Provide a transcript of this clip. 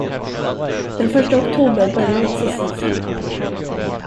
Den första oktober börjar exercisen.